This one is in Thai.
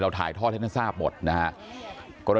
ถ่ายทอดให้ท่านทราบหมดนะครับ